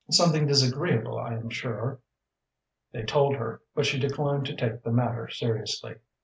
Something disagreeable, I am sure?" They told her, but she declined to take the matter seriously.